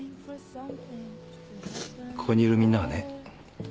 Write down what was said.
ここにいるみんなはね